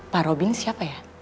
pak robin siapa ya